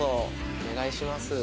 お願いします。